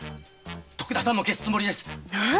徳田さんも消すつもりです！